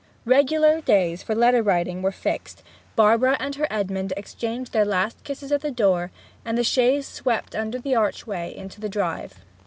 Regular days for letter writing were fixed, Barbara and her Edmond exchanged their last kisses at the door, and the chaise swept under the archway into the drive.